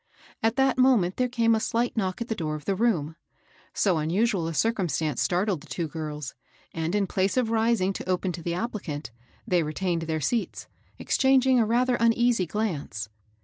At that moment there came a slight knock at the door of the room. So unusual a circumstance startled the two girls ; and, in place of rising to open to the applicant, they retained their seats, exchanging a rather uneasy glance.